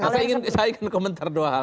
saya ingin saya komentar dua hal